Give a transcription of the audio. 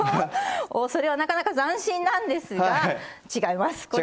それはなかなか斬新なんですが違います。